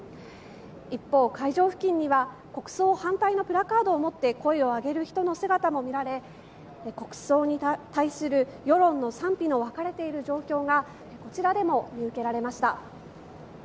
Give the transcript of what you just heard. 一方、会場付近には国葬反対のプラカードを掲げて声を上げる人の姿も見られ国葬に対する世論の賛否が分かれている状況がこちらでも見受けられました。